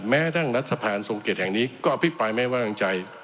แม้ท่านรัฐสะพานสงเกตแห่งนี้ก็อภิกษ์ไปไม่ว่างใจ